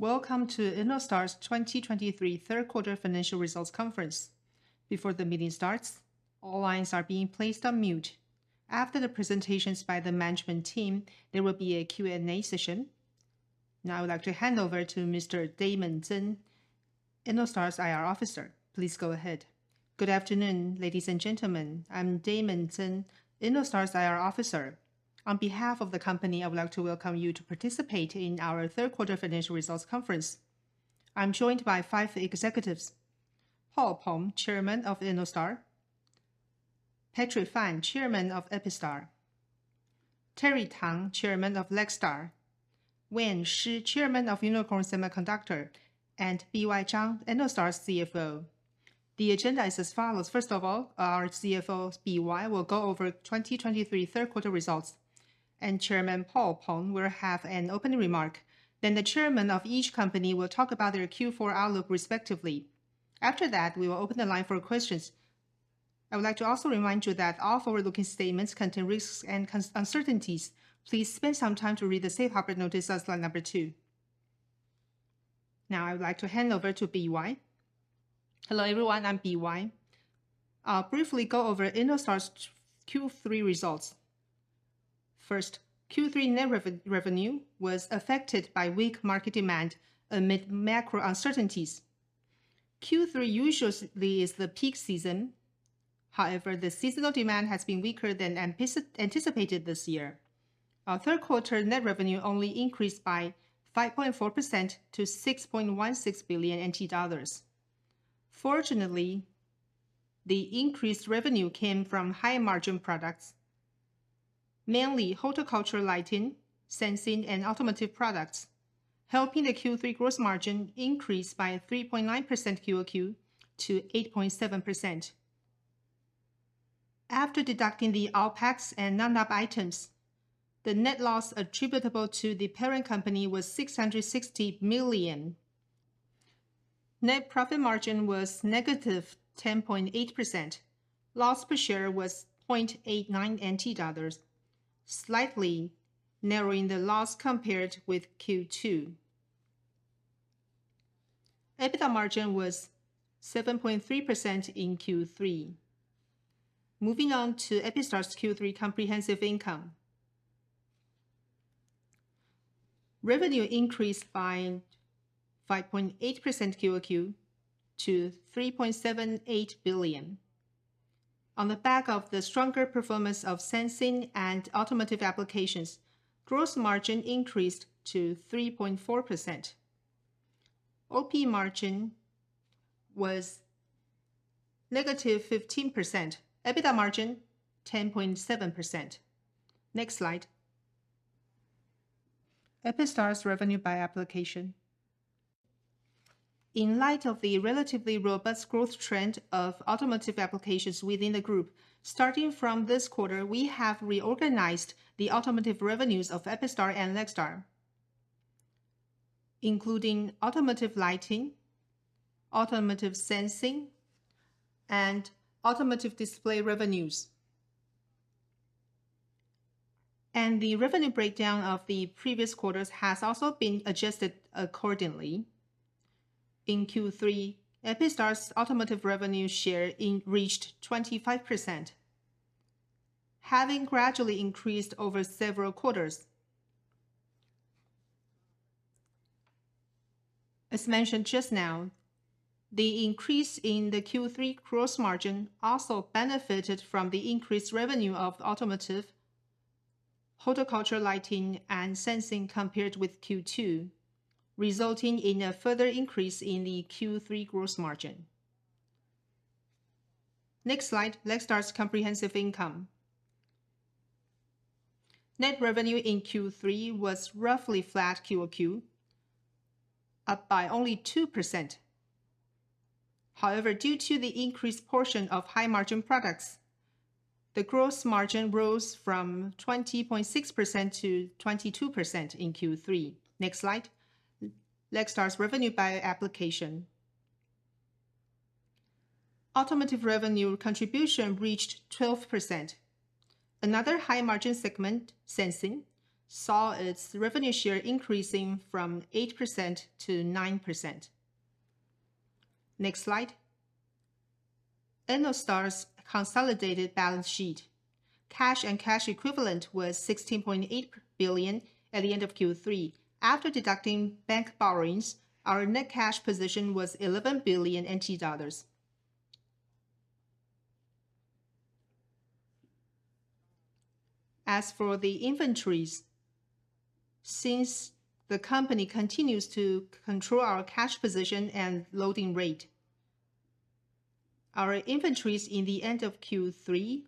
Welcome to Ennostar's 2023 Third Quarter Financial Results Conference. Before the meeting starts, all lines are being placed on mute. After the presentations by the management team, there will be a Q&A session. Now I would like to hand over to Mr. Damon Tseng, Ennostar's IR Officer. Please go ahead. Good afternoon, ladies and gentlemen. I'm Damon Tseng, Ennostar's IR Officer. On behalf of the company, I would like to welcome you to participate in our third quarter financial results conference. I'm joined by five executives: Paul Peng, Chairman of Ennostar; Patrick Fan, Chairman of EPISTAR; Terry Tang, Chairman of Lextar; Wayne Shi, Chairman of Unikorn Semiconductor, and B.Y. Chang, Ennostar's CFO. The agenda is as follows. First of all, our CFO, B.Y., will go over 2023 third quarter results, and Chairman Paul Peng will have an opening remark. Then the chairman of each company will talk about their Q4 outlook respectively. After that, we will open the line for questions. I would like to also remind you that all forward-looking statements contain risks and uncertainties. Please spend some time to read the safe harbor notice as slide number two. Now, I would like to hand over to B.Y. Hello, everyone. I'm B.Y. I'll briefly go over Ennostar's Q3 results. First, Q3 net revenue was affected by weak market demand amid macro uncertainties. Q3 usually is the peak season; however, the seasonal demand has been weaker than anticipated this year. Our third quarter net revenue only increased by 5.4% to NTD 6.16 billion. Fortunately, the increased revenue came from high-margin products, mainly horticulture, lighting, sensing, and automotive products, helping the Q3 gross margin increase by 3.9% QoQ to 8.7%. After deducting the OPEX and non-GAAP items, the net loss attributable to the parent company was NTD 660 million. Net profit margin was -10.8%. Loss per share was NTD 0.89, slightly narrowing the loss compared with Q2. EBITDA margin was 7.3% in Q3. Moving on to Epistar's Q3 comprehensive income. Revenue increased by 5.8% QoQ to NTD 3.78 billion. On the back of the stronger performance of sensing and automotive applications, gross margin increased to 3.4%. OP margin was -15%, EBITDA margin, 10.7%. Next slide. Epistar's revenue by application. In light of the relatively robust growth trend of automotive applications within the group, starting from this quarter, we have reorganized the automotive revenues of Epistar and Lextar, including automotive lighting, automotive sensing, and automotive display revenues. The revenue breakdown of the previous quarters has also been adjusted accordingly. In Q3, Epistar's automotive revenue share reached 25%, having gradually increased over several quarters. As mentioned just now, the increase in the Q3 gross margin also benefited from the increased revenue of automotive, horticulture lighting, and sensing compared with Q2, resulting in a further increase in the Q3 gross margin. Next slide, Lextar's comprehensive income. Net revenue in Q3 was roughly flat QoQ, up by only 2%. However, due to the increased portion of high-margin products, the gross margin rose from 20.6% to 22% in Q3. Next slide. Lextar's revenue by application. Automotive revenue contribution reached 12%. Another high-margin segment, sensing, saw its revenue share increasing from 8% to 9%. Next slide. Ennostar's consolidated balance sheet. Cash and cash equivalent was NTD 16.8 billion at the end of Q3. After deducting bank borrowings, our net cash position was NTD 11 billion. As for the inventories, since the company continues to control our cash position and loading rate, our inventories in the end of Q3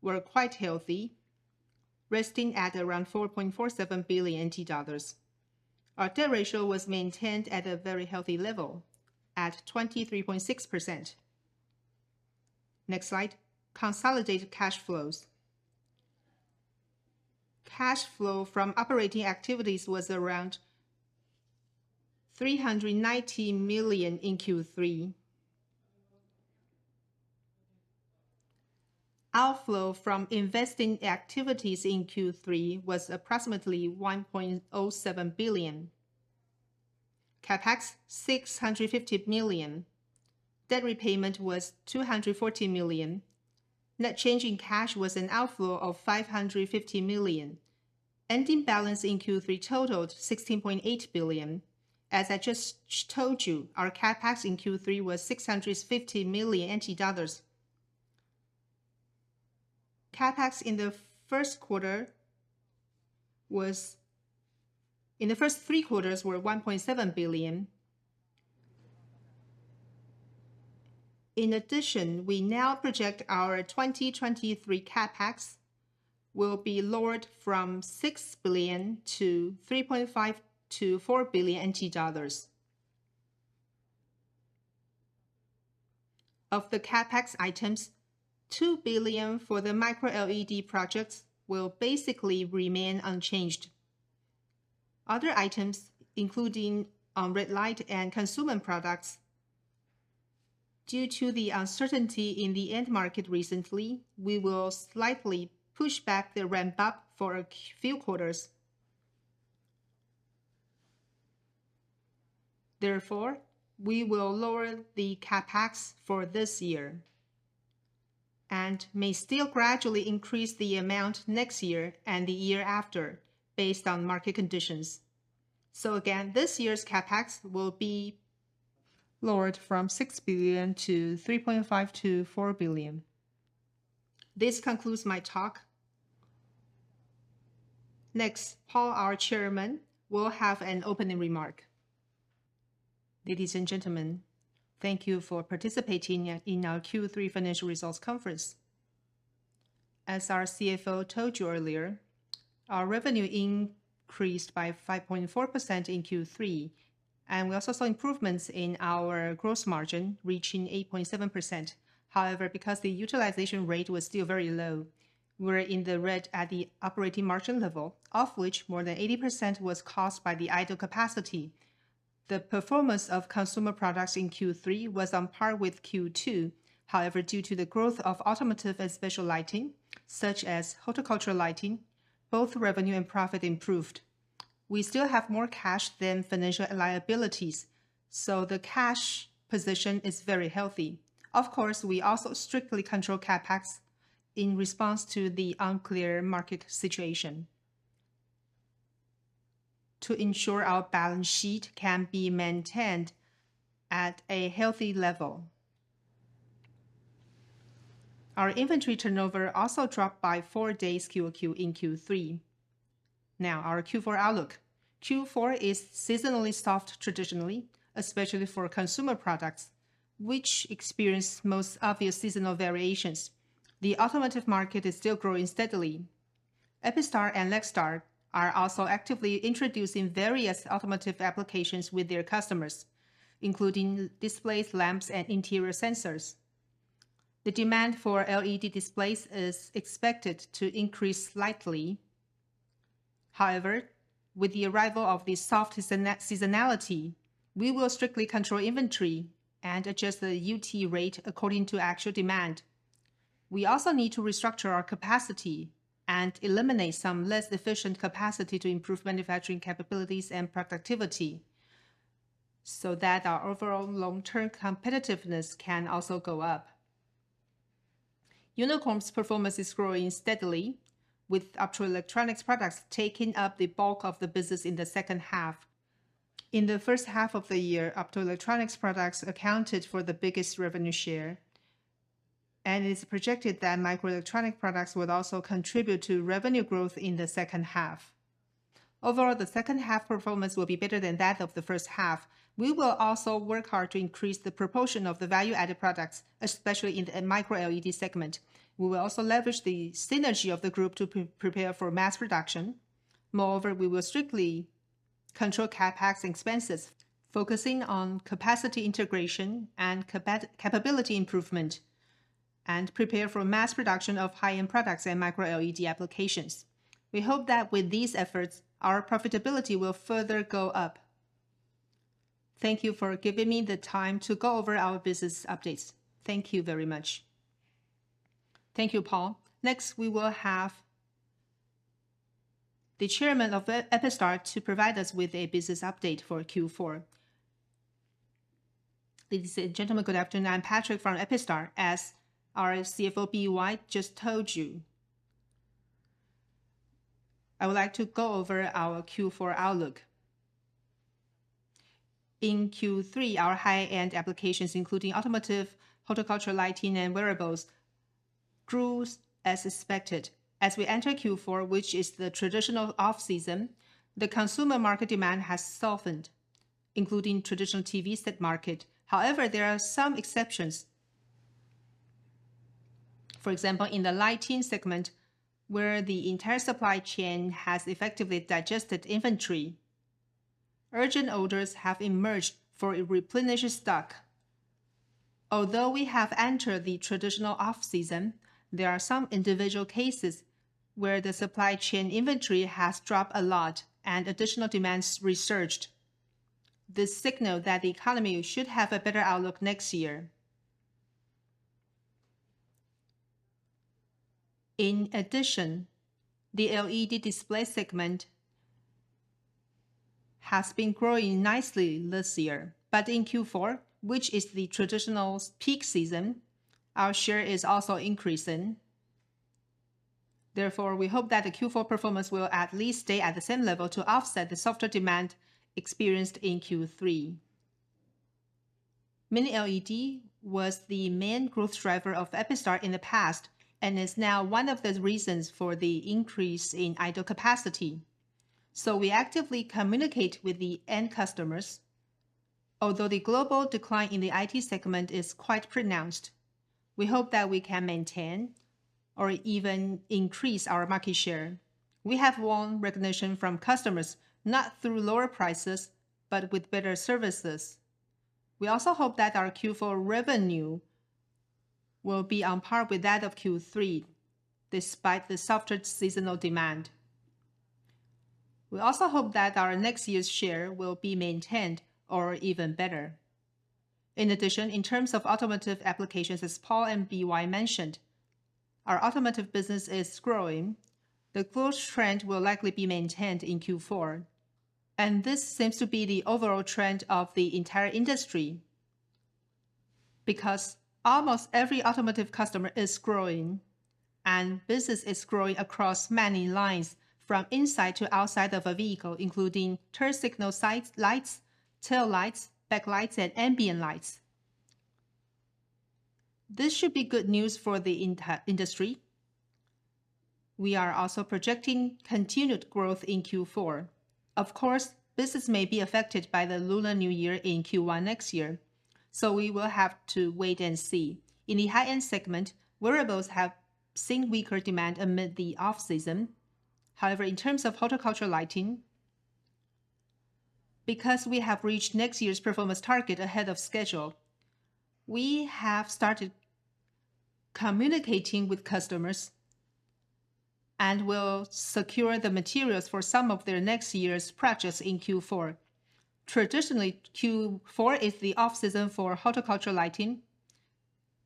were quite healthy, resting at around NTD 4.47 billion. Our debt ratio was maintained at a very healthy level at 23.6%. Next slide, consolidated cash flows. Cash flow from operating activities was around NTD 390 million in Q3. Outflow from investing activities in Q3 was approximately NTD 1.07 billion. CapEx, NTD 650 million. Debt repayment was NTD 240 million. Net change in cash was an outflow of NTD 550 million. Ending balance in Q3 totaled NTD 16.8 billion. As I just told you, our CapEx in Q3 was NTD 650 million. CapEx in the first three quarters were 1.7 billion. In addition, we now project our 2023 CapEx will be lowered from NTD 6 billion to NTD 3.5 billion-NTD 4 billion. Of the CapEx items, 2 billion for the Micro LED projects will basically remain unchanged. Other items, including red light and consumer products, due to the uncertainty in the end market recently, we will slightly push back the ramp up for a few quarters. Therefore, we will lower the CapEx for this year, and may still gradually increase the amount next year and the year after, based on market conditions. So again, this year's CapEx will be lowered from NTD 6 billion to NTD 3.5 billion-NTD 4 billion. This concludes my talk. Next, Paul, our chairman, will have an opening remark. Ladies and gentlemen, thank you for participating in our Q3 financial results conference. As our CFO told you earlier, our revenue increased by 5.4% in Q3, and we also saw improvements in our gross margin, reaching 8.7%. However, because the utilization rate was still very low, we're in the red at the operating margin level, of which more than 80% was caused by the idle capacity. The performance of consumer products in Q3 was on par with Q2. However, due to the growth of automotive and special lighting, such as horticultural lighting, both revenue and profit improved. We still have more cash than financial liabilities, so the cash position is very healthy. Of course, we also strictly control CapEx in response to the unclear market situation to ensure our balance sheet can be maintained at a healthy level. Our inventory turnover also dropped by four days QoQ in Q3. Now, our Q4 outlook. Q4 is seasonally soft traditionally, especially for consumer products, which experience most obvious seasonal variations. The automotive market is still growing steadily. EPISTAR and Lextar are also actively introducing various automotive applications with their customers, including displays, lamps, and interior sensors. The demand for LED displays is expected to increase slightly. However, with the arrival of the soft seasonality, we will strictly control inventory and adjust the UT rate according to actual demand. We also need to restructure our capacity and eliminate some less efficient capacity to improve manufacturing capabilities and productivity, so that our overall long-term competitiveness can also go up. Unikorn's performance is growing steadily, with optoelectronics products taking up the bulk of the business in the second half. In the first half of the year, optoelectronics products accounted for the biggest revenue share, and it's projected that microelectronic products will also contribute to revenue growth in the second half. Overall, the second half performance will be better than that of the first half. We will also work hard to increase the proportion of the value-added products, especially in the Micro LED segment. We will also leverage the synergy of the group to prepare for mass production. Moreover, we will strictly control CapEx expenses, focusing on capacity integration and capability improvement, and prepare for mass production of high-end products and Micro-LED applications. We hope that with these efforts, our profitability will further go up. Thank you for giving me the time to go over our business updates. Thank you very much. Thank you, Paul. Next, we will have the chairman of EPISTAR to provide us with a business update for Q4. Ladies and gentlemen, good afternoon. I'm Patrick from EPISTAR. As our CFO, B.Y., just told you, I would like to go over our Q4 outlook. In Q3, our high-end applications, including automotive, horticultural lighting, and wearables, grew as expected. As we enter Q4, which is the traditional off-season, the consumer market demand has softened, including traditional TV set market. However, there are some exceptions. For example, in the lighting segment, where the entire supply chain has effectively digested inventory, urgent orders have emerged for replenish stock. Although we have entered the traditional off-season, there are some individual cases where the supply chain inventory has dropped a lot and additional demands resurged. This signal that the economy should have a better outlook next year. In addition, the LED display segment has been growing nicely this year. But in Q4, which is the traditional peak season, our share is also increasing. Therefore, we hope that the Q4 performance will at least stay at the same level to offset the softer demand experienced in Q3. Mini LED was the main growth driver of EPISTAR in the past, and is now one of the reasons for the increase in idle capacity. So we actively communicate with the end customers. Although the global decline in the IT segment is quite pronounced, we hope that we can maintain or even increase our market share. We have won recognition from customers, not through lower prices, but with better services. We also hope that our Q4 revenue will be on par with that of Q3, despite the softer seasonal demand. We also hope that our next year's share will be maintained or even better. In addition, in terms of automotive applications, as Paul and B.Y. mentioned, our automotive business is growing. The growth trend will likely be maintained in Q4, and this seems to be the overall trend of the entire industry, because almost every automotive customer is growing, and business is growing across many lines from inside to outside of a vehicle, including turn signal lights, tail lights, backlights, and ambient lights. This should be good news for the entire industry. We are also projecting continued growth in Q4. Of course, business may be affected by the Lunar New Year in Q1 next year, so we will have to wait and see. In the high-end segment, wearables have seen weaker demand amid the off-season. However, in terms of horticultural lighting, because we have reached next year's performance target ahead of schedule, we have started communicating with customers and will secure the materials for some of their next year's purchase in Q4. Traditionally, Q4 is the off-season for horticultural lighting.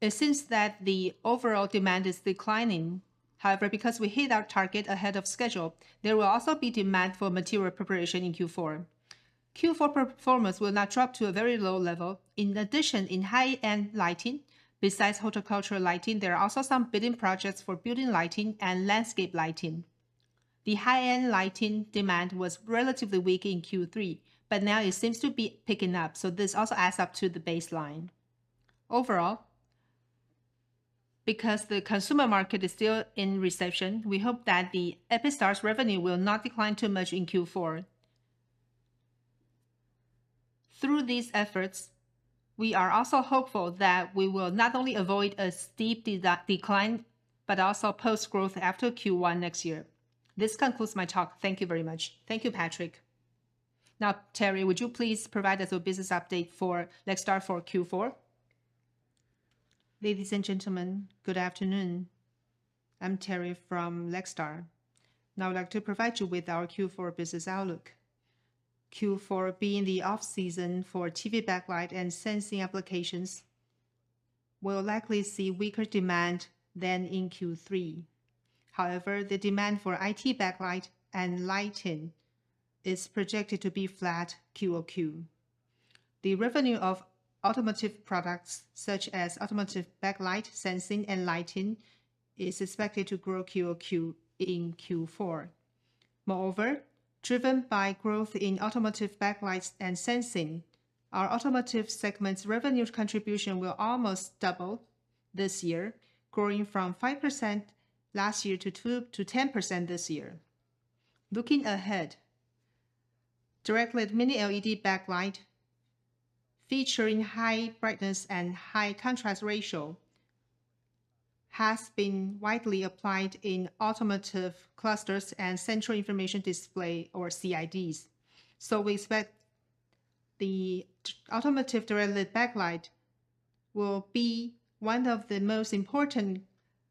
It seems that the overall demand is declining. However, because we hit our target ahead of schedule, there will also be demand for material preparation in Q4. Q4 performance will not drop to a very low level. In addition, in high-end lighting, besides horticultural lighting, there are also some bidding projects for building lighting and landscape lighting. The high-end lighting demand was relatively weak in Q3, but now it seems to be picking up, so this also adds up to the baseline. Overall, because the consumer market is still in recession, we hope that the EPISTAR's revenue will not decline too much in Q4. Through these efforts, we are also hopeful that we will not only avoid a steep decline, but also post growth after Q1 next year. This concludes my talk. Thank you very much. Thank you, Patrick. Now, Terry, would you please provide us a business update for Lextar for Q4? Ladies and gentlemen, good afternoon. I'm Terry from Lextar. Now I'd like to provide you with our Q4 business outlook. Q4 being the off-season for TV backlight and sensing applications, will likely see weaker demand than in Q3. However, the demand for IT backlight and lighting is projected to be flat QoQ. The revenue of automotive products, such as automotive backlight, sensing, and lighting, is expected to grow QoQ in Q4. Moreover, driven by growth in automotive backlights and sensing, our automotive segment's revenue contribution will almost double this year, growing from 5% last year to 2%-10% this year. Looking ahead, direct-lit Mini LED backlight, featuring high brightness and high contrast ratio, has been widely applied in automotive clusters and central information display or CIDs. So we expect the automotive direct-lit backlight will be one of the most important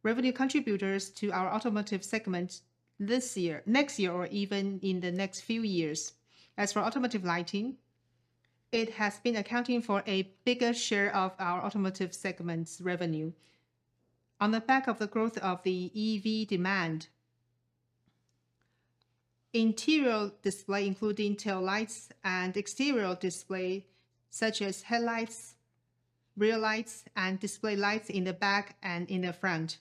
revenue contributors to our automotive segment this year, next year, or even in the next few years. As for automotive lighting, it has been accounting for a bigger share of our automotive segment's revenue. On the back of the growth of the EV demand, interior display, including tail lights and exterior display, such as headlights, rear lights, and display lights in the back and in the front,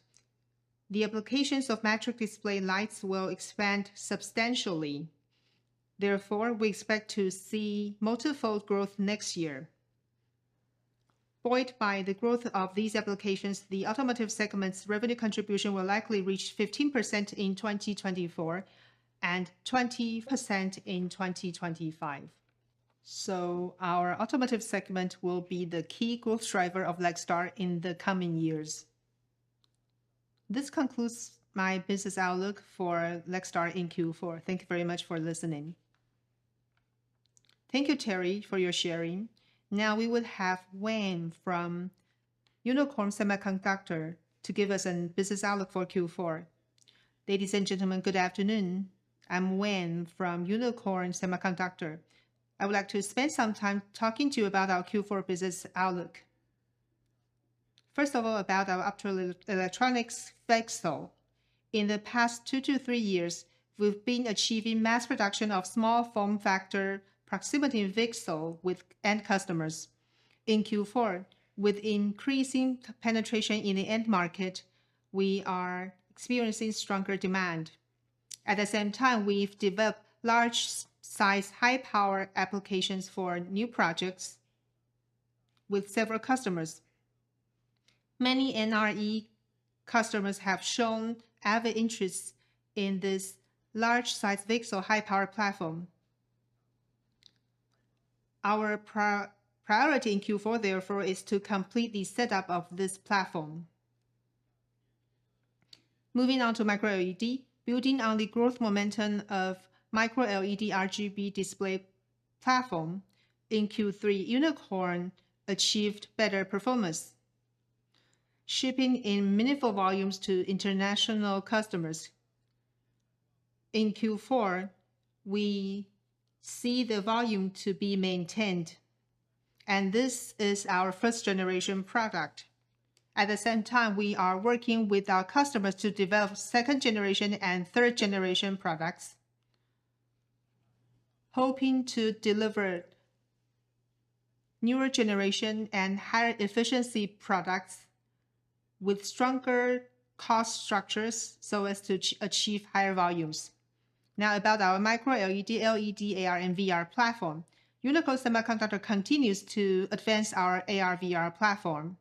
the applications of matrix display lights will expand substantially. Therefore, we expect to see multifold growth next year. Buoyed by the growth of these applications, the automotive segment's revenue contribution will likely reach 15% in 2024 and 20% in 2025. So our automotive segment will be the key growth driver of Lextar in the coming years. This concludes my business outlook for Lextar in Q4. Thank you very much for listening. Thank you, Terry, for your sharing. Now, we will have Wayne from Unikorn Semiconductor to give us a business outlook for Q4. Ladies and gentlemen, good afternoon. I'm Wayne from Unikorn Semiconductor. I would like to spend some time talking to you about our Q4 business outlook. First of all, about our optoelectronics VCSEL. In the past two to three years, we've been achieving mass production of small form factor, proximity VCSEL with end customers. In Q4, with increasing penetration in the end market, we are experiencing stronger demand. At the same time, we've developed large size, high power applications for new projects with several customers. Many NRE customers have shown avid interest in this large size VCSEL or high power platform. Our priority in Q4, therefore, is to complete the setup of this platform. Moving on to Micro LED. Building on the growth momentum of Micro LED RGB display platform, in Q3, Unikorn achieved better performance, shipping in meaningful volumes to international customers. In Q4, we see the volume to be maintained, and this is our first generation product. At the same time, we are working with our customers to develop second generation and third generation products, hoping to deliver newer generation and higher efficiency products with stronger cost structures, so as to achieve higher volumes. Now, about our Micro LED, LED, AR/VR platform. Unikorn Semiconductor continues to advance our AR/VR platform.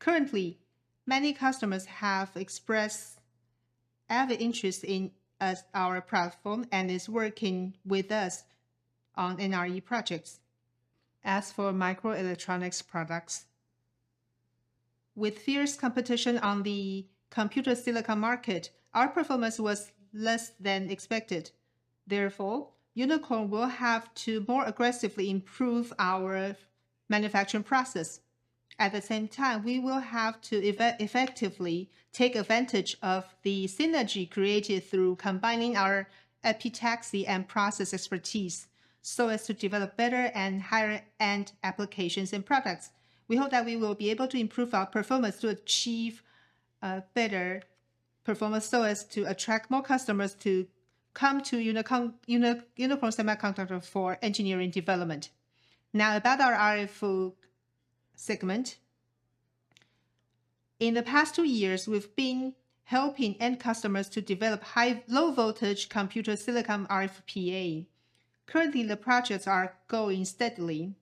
Currently, many customers have expressed avid interest in our platform and is working with us on NRE projects. As for microelectronics products, with fierce competition on the computer silicon market, our performance was less than expected. Therefore, Unikorn will have to more aggressively improve our manufacturing process. At the same time, we will have to effectively take advantage of the synergy created through combining our epitaxy and process expertise, so as to develop better and higher-end applications and products. We hope that we will be able to improve our performance to achieve better performance, so as to attract more customers to come to Unikorn Semiconductor for engineering development. Now, about our RF segment. In the past two years, we've been helping end customers to develop low voltage computer silicon RFPA. Currently, the projects are going steadily.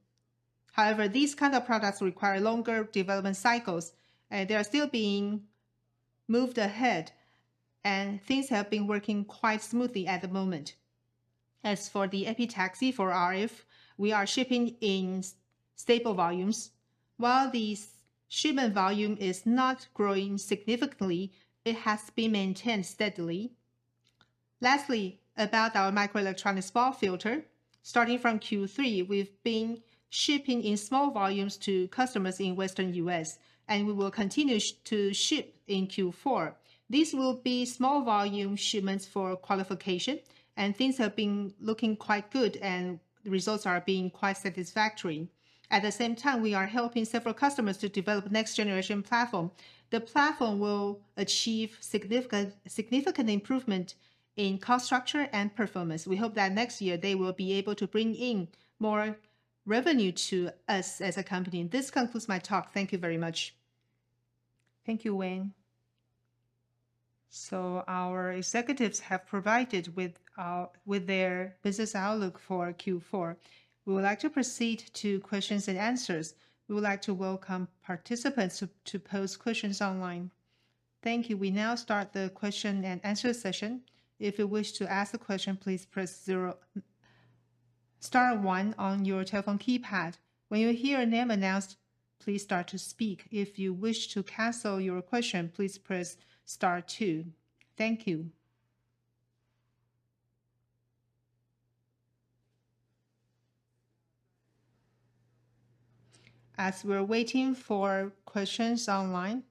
However, these kind of products require longer development cycles, and they are still being moved ahead, and things have been working quite smoothly at the moment. As for the epitaxy for RF, we are shipping in stable volumes. While the shipment volume is not growing significantly, it has been maintained steadily. Lastly, about our microelectronics BAW filter. Starting from Q3, we've been shipping in small volumes to customers in Western U.S., and we will continue to ship in Q4. These will be small volume shipments for qualification, and things have been looking quite good and the results are being quite satisfactory. At the same time, we are helping several customers to develop next generation platform. The platform will achieve significant, significant improvement in cost structure and performance. We hope that next year they will be able to bring in more revenue to us as a company. This concludes my talk. Thank you very much. Thank you, Wayne. So our executives have provided with their business outlook for Q4. We would like to proceed to questions and answers. We would like to welcome participants to pose questions online. Thank you. We now start the question-and-answer session. If you wish to ask a question, please press zero, star one on your telephone keypad. When you hear your name announced, please start to speak. If you wish to cancel your question, please press star two. Thank you. As we're waiting for questions online,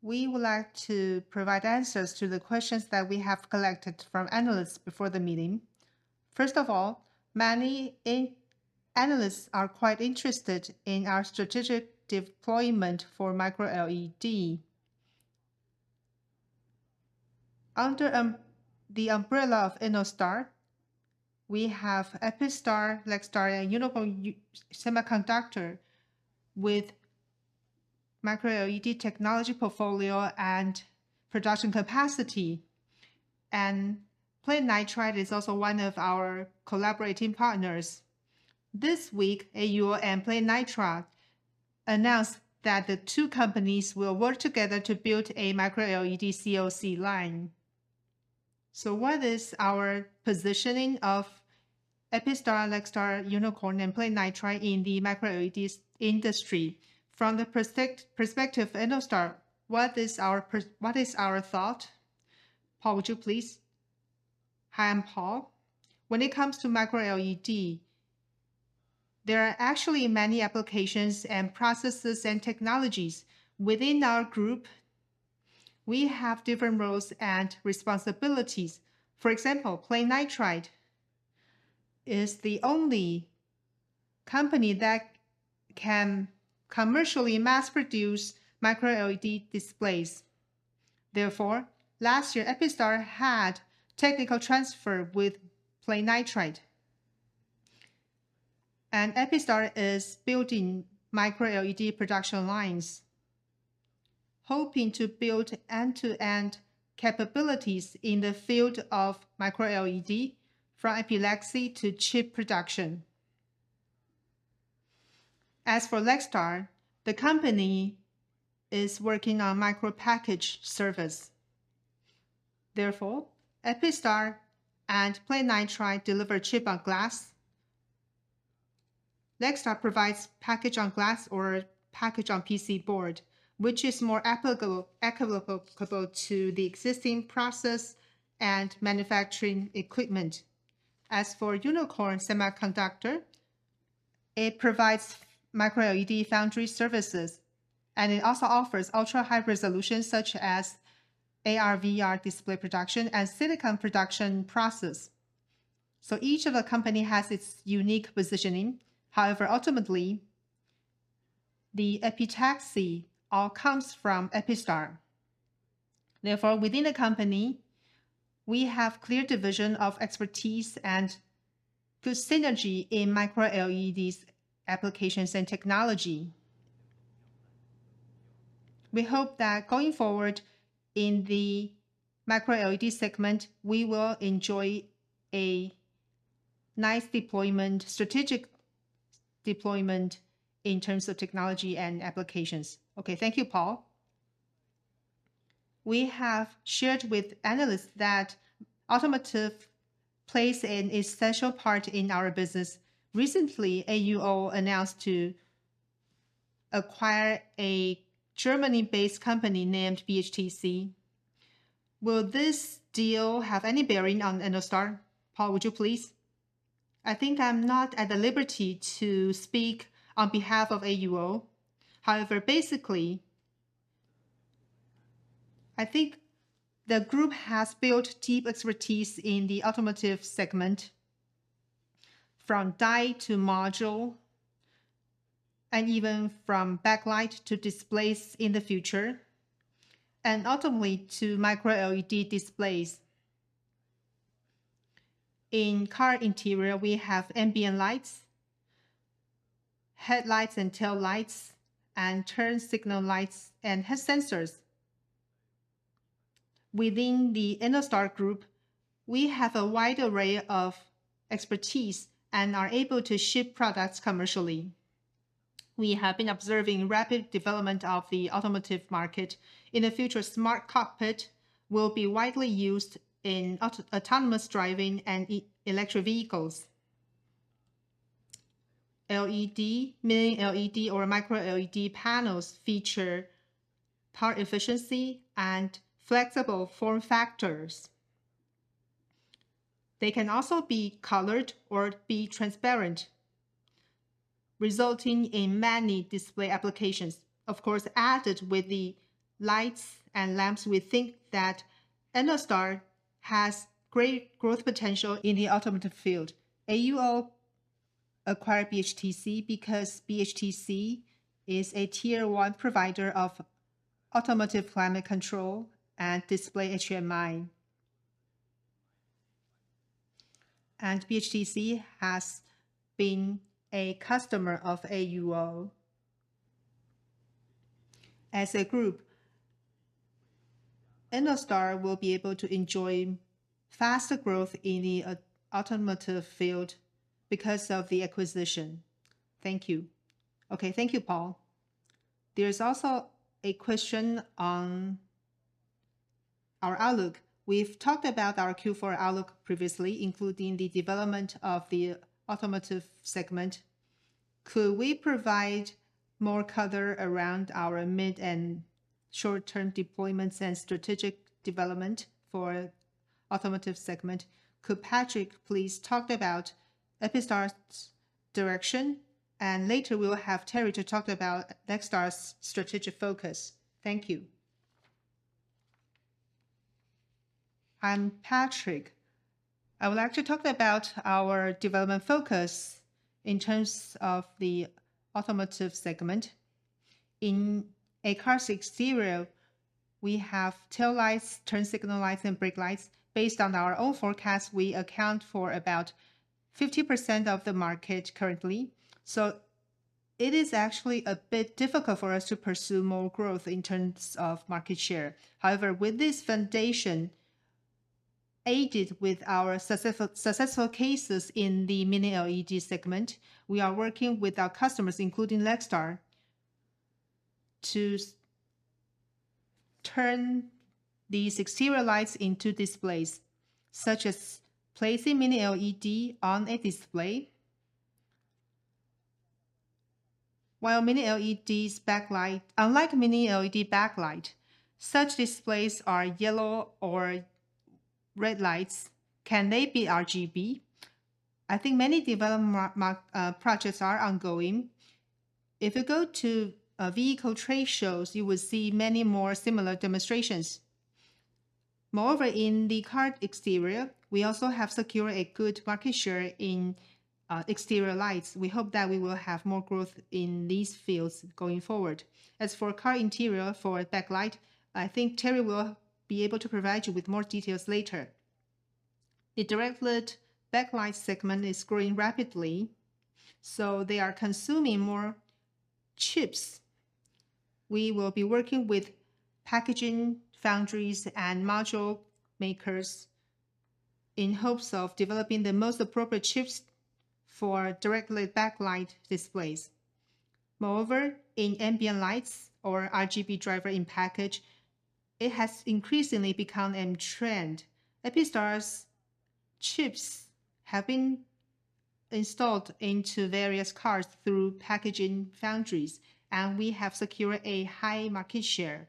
we would like to provide answers to the questions that we have collected from analysts before the meeting. First of all, many analysts are quite interested in our strategic deployment for Micro LED. Under the umbrella of Ennostar, we have Epistar, Lextar, and Unikorn Semiconductor, with Micro LED technology portfolio and production capacity, and PlayNitride is also one of our collaborating partners. This week, AUO and PlayNitride announced that the two companies will work together to build a Micro LED COC line. So what is our positioning of Epistar, Lextar, Unikorn, and PlayNitride in the Micro LED industry? From the perspective of Ennostar, what is our thought? Paul, would you please? Hi, I'm Paul. When it comes to Micro LED, there are actually many applications and processes and technologies. Within our group, we have different roles and responsibilities. For example, PlayNitride is the only company that can commercially mass produce Micro LED displays. Therefore, last year, Epistar had technical transfer with PlayNitride, and Epistar is building Micro LED production lines, hoping to build end-to-end capabilities in the field of Micro LED, from epitaxy to chip production. As for Lextar, the company is working on micro package service. Therefore, Epistar and PlayNitride deliver chip on glass. Lextar provides package on glass or package on PC board, which is more applicable to the existing process and manufacturing equipment. As for Unikorn Semiconductor, it provides Micro LED foundry services, and it also offers ultra-high resolution, such as AR/VR display production and silicon production process. So each of the company has its unique positioning. However, ultimately, the epitaxy all comes from Epistar. Therefore, within the company, we have clear division of expertise and good synergy in Micro LED applications and technology. We hope that going forward in the Micro LED segment, we will enjoy a nice deployment, strategic deployment in terms of technology and applications. Okay, thank you, Paul. We have shared with analysts that automotive plays an essential part in our business. Recently, AUO announced to acquire a Germany-based company named BHTC. Will this deal have any bearing on Ennostar? Paul, would you please? I think I'm not at the liberty to speak on behalf of AUO. However, basically, I think the group has built deep expertise in the automotive segment, from die to module, and even from backlight to displays in the future, and ultimately, to Micro LED displays. In car interior, we have ambient lights, headlights and tail lights, and turn signal lights and head sensors. Within the Ennostar Group, we have a wide array of expertise and are able to ship products commercially. We have been observing rapid development of the automotive market. In the future, smart cockpit will be widely used in autonomous driving and electric vehicles. LED, Mini LED or Micro LED panels feature power efficiency and flexible form factors. They can also be colored or be transparent, resulting in many display applications. Of course, added with the lights and lamps, we think that Ennostar has great growth potential in the automotive field. AUO acquired BHTC because BHTC is a Tier 1 provider of automotive climate control and display HMI. BHTC has been a customer of AUO. As a group, Ennostar will be able to enjoy faster growth in the automotive field because of the acquisition. Thank you. Okay, thank you, Paul. There is also a question on our outlook. We've talked about our Q4 outlook previously, including the development of the automotive segment. Could we provide more color around our mid- and short-term deployments and strategic development for automotive segment? Could Patrick please talk about Epistar's direction? And later, we will have Terry to talk about Lextar's strategic focus. Thank you. I'm Patrick. I would like to talk about our development focus in terms of the automotive segment. In a car's exterior, we have tail lights, turn signal lights, and brake lights. Based on our own forecast, we account for about 50% of the market currently. So it is actually a bit difficult for us to pursue more growth in terms of market share. However, with this foundation, aided with our successful cases in the Mini LED segment, we are working with our customers, including Lextar, to turn these exterior lights into displays, such as placing Mini LED on a display while Mini-LEDs backlight, unlike Mini-LED backlight, such displays are yellow or red lights. Can they be RGB? I think many development projects are ongoing. If you go to vehicle trade shows, you will see many more similar demonstrations. Moreover, in the car exterior, we also have secured a good market share in exterior lights. We hope that we will have more growth in these fields going forward. As for car interior, for backlight, I think Terry will be able to provide you with more details later. The direct lit backlight segment is growing rapidly, so they are consuming more chips. We will be working with packaging foundries and module makers in hopes of developing the most appropriate chips for direct-lit backlight displays. Moreover, in ambient lights or RGB driver in package, it has increasingly become a trend. Epistar's chips have been installed into various cars through packaging foundries, and we have secured a high market share.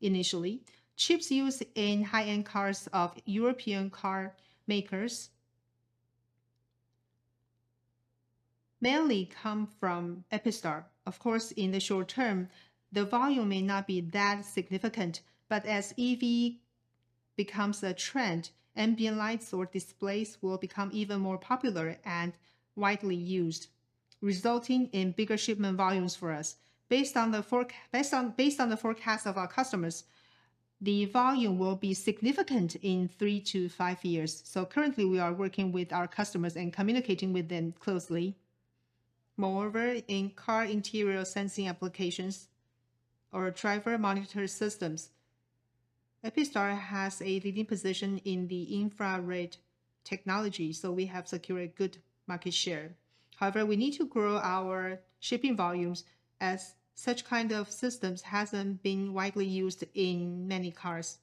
Initially, chips used in high-end cars of European car makers mainly come from Epistar. Of course, in the short term, the volume may not be that significant, but as EV becomes a trend, ambient lights or displays will become even more popular and widely used, resulting in bigger shipment volumes for us. Based on the forecast of our customers, the volume will be significant in three-five years. So currently, we are working with our customers and communicating with them closely. Moreover, in car interior sensing applications or driver monitor systems, EPISTAR has a leading position in the infrared technology, so we have secured a good market share. However, we need to grow our shipping volumes as such kind of systems hasn't been widely used in many cars.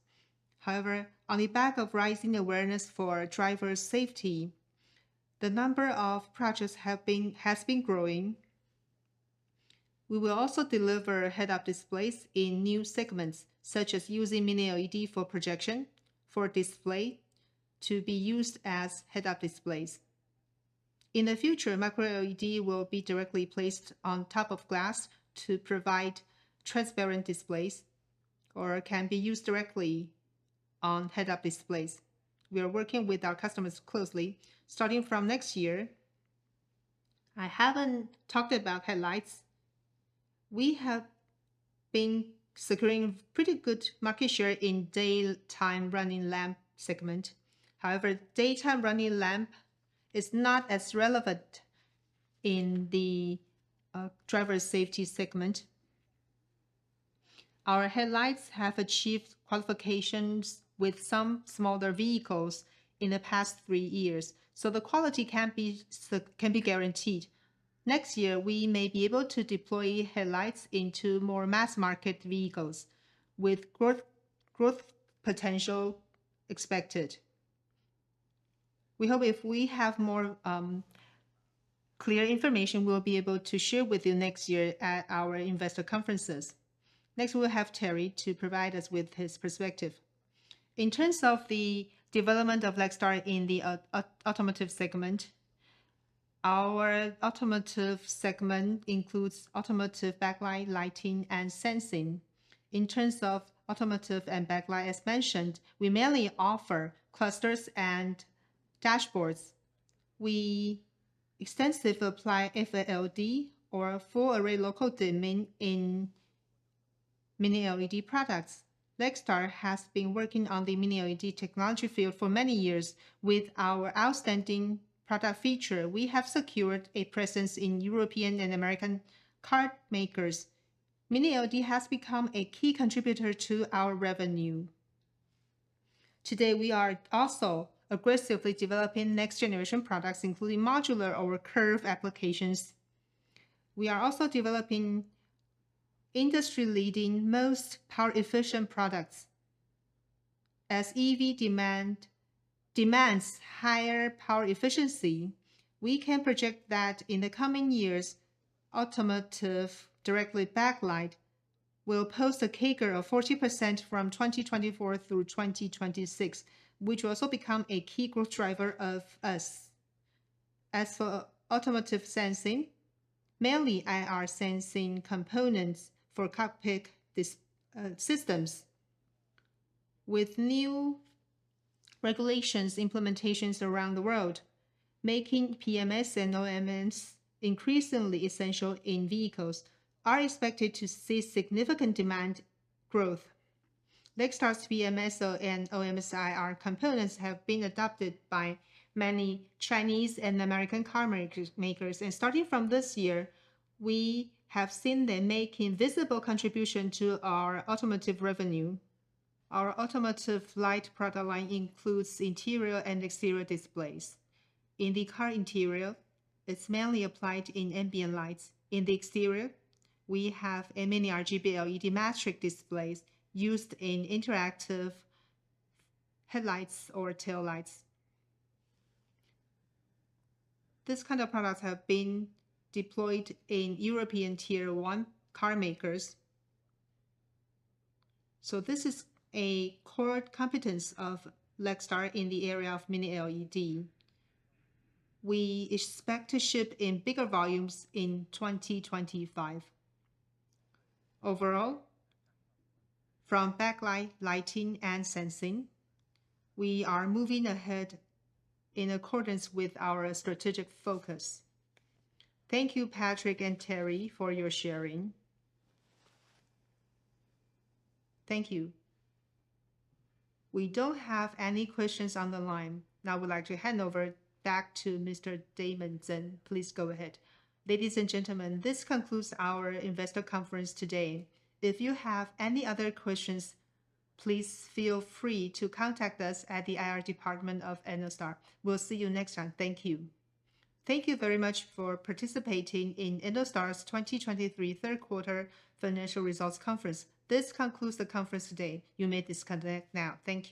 However, on the back of rising awareness for driver safety, the number of projects has been growing. We will also deliver head-up displays in new segments, such as using mini-LED for projection for display to be used as head-up displays. In the future, micro-LED will be directly placed on top of glass to provide transparent displays, or can be used directly on head-up displays. We are working with our customers closely starting from next year. I haven't talked about headlights. We have been securing pretty good market share in daytime running lamp segment. However, daytime running lamp is not as relevant in the driver safety segment. Our headlights have achieved qualifications with some smaller vehicles in the past three years, so the quality can be guaranteed. Next year, we may be able to deploy headlights into more mass-market vehicles, with growth, growth potential expected. We hope if we have more clear information, we'll be able to share with you next year at our investor conferences. Next, we'll have Terry to provide us with his perspective. In terms of the development of Lextar in the automotive segment, our automotive segment includes automotive backlight, lighting, and sensing. In terms of automotive and backlight, as mentioned, we mainly offer clusters and dashboards. We extensively apply FALD, or full array local dimming, in mini-LED products. Lextar has been working on the mini-LED technology field for many years. With our outstanding product feature, we have secured a presence in European and American car makers. Mini-LED has become a key contributor to our revenue. Today, we are also aggressively developing next-generation products, including modular or curved applications. We are also developing industry-leading, most power-efficient products. As EV demand demands higher power efficiency, we can project that in the coming years, automotive directly backlight will post a CAGR of 40% from 2024 through 2026, which will also become a key growth driver of us. As for automotive sensing, mainly IR sensing components for cockpit systems. With new regulations implementations around the world, making DMS and OMS increasingly essential in vehicles are expected to see significant demand growth. Lextar's DMS and OMS IR components have been adopted by many Chinese and American car makers, and starting from this year, we have seen them making visible contribution to our automotive revenue. Our automotive light product line includes interior and exterior displays. In the car interior, it's mainly applied in ambient lights. In the exterior, we have a mini RGB LED metric displays used in interactive headlights or tail lights. These kind of products have been deployed in European Tier 1 car makers. So this is a core competence of Lextar in the area of mini-LED. We expect to ship in bigger volumes in 2025. Overall, from backlight, lighting, and sensing, we are moving ahead in accordance with our strategic focus. Thank you, Patrick and Terry, for your sharing. Thank you. We don't have any questions on the line. Now I would like to hand over back to Mr. Damon Tseng. Please go ahead. Ladies and gentlemen, this concludes our investor conference today. If you have any other questions, please feel free to contact us at the IR department of Ennostar. We'll see you next time. Thank you. Thank you very much for participating in Ennostar's 2023 third quarter financial results conference. This concludes the conference today. You may disconnect now. Thank you.